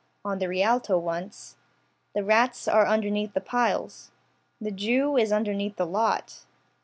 On the Rialto once. The rats are underneath the piles. The jew is underneath the lot.